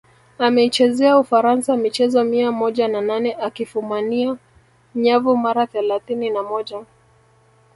Ameichezea Ufaransa michezo mia moja na nane akifumania nyavu mara thelathini na moja